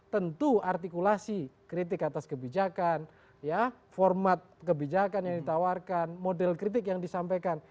tentu artikulasi kritik atas kebijakan format kebijakan yang ditawarkan model kritik yang disampaikan